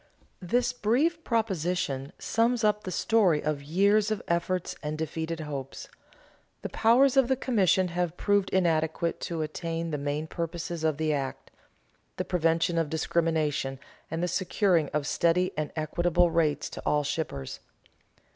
_ This brief proposition sums up the story of years of efforts and defeated hopes. The powers of the commission have proved inadequate to attain the main purposes of the act the prevention of discrimination and the securing of steady and equitable rates to all shippers.